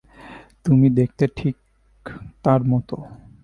তুমি দেখতে ঠিক তার মতো।